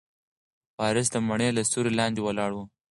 وارث د مڼې له سیوري لاندې ولاړ و.